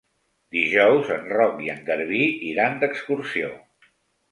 Dijous en Roc i en Garbí iran d'excursió.